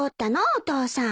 お父さん。